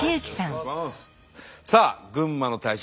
さあ群馬の大使